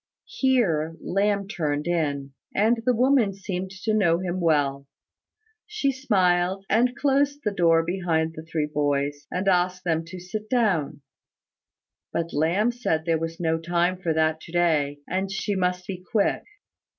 Here Lamb turned in, and the woman seemed to know him well. She smiled, and closed the door behind the three boys, and asked them to sit down: but Lamb said there was no time for that to day, she must be quick.